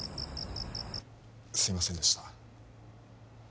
すいませんでした